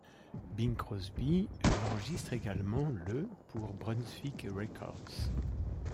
Bing Crosby l'enregistre également le pour Brunswick Records.